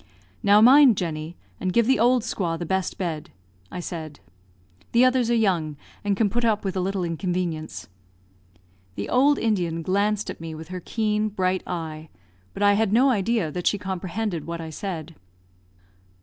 "Now mind, Jenny, and give the old squaw the best bed," I said; "the others are young, and can put up with a little inconvenience." The old Indian glanced at me with her keen, bright eye; but I had no idea that she comprehended what I said.